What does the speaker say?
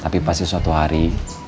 tapi pasti suatu hari